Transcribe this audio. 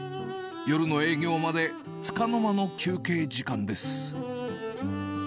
夜の営業まで、つかの間の休憩時間です。